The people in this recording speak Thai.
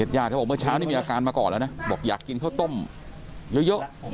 ญาติเขาบอกเมื่อเช้านี้มีอาการมาก่อนแล้วนะบอกอยากกินข้าวต้มเยอะ